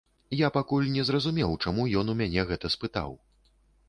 Я пакуль не зразумеў, чаму ён у мяне гэта спытаў.